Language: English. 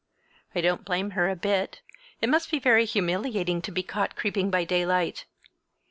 I don't blame her a bit. It must be very humiliating to be caught creeping by daylight!